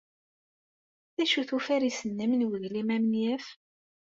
D acu-t ufaris-nnem n uglim amenyaf?